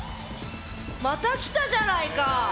また来たじゃないか！